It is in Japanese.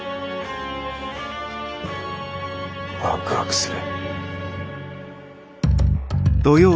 ワクワクする。